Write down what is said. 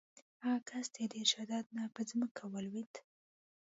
هغه کس د ډېر شدت نه په ځمکه ولویېد.